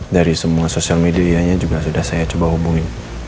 dari semua sosial medianya juga sudah saya coba hubungi